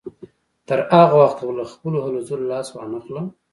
تر هغه وخته به له خپلو هلو ځلو لاس وانهخلم.